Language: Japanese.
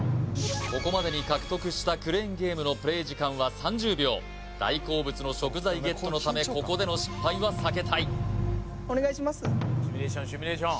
ここまでに獲得したクレーンゲームのプレイ時間は３０秒大好物の食材ゲットのためここでの失敗は避けたいお願いしますシミュレーションシミュレーション